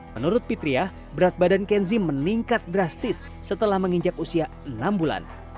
menurut fitriah berat badan kenzi meningkat drastis setelah menginjak usia enam bulan